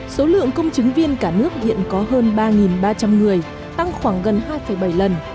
số lượng công chứng viên cả nước hiện có hơn ba ba trăm linh người tăng khoảng gần hai bảy lần